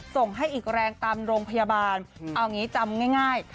ส่งให้อีกแรงตามโรงพยาบาลเอาอย่างนี้จำง่าย